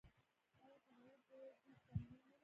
آیا تنوع د دوی شتمني نه ده؟